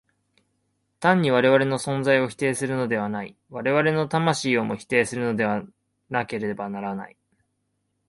単に我々の存在を否定するのではない、我々の魂をも否定するのでなければならない。